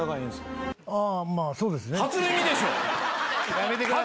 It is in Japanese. やめてください。